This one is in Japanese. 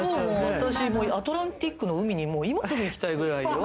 私アトランティックの海に今すぐ行きたいくらいよ。